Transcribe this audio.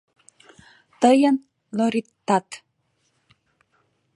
Тыйын Лориттат.